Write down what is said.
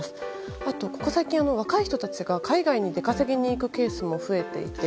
あと、ここ最近若い人たちが海外に出稼ぎに行くケースも増えていて。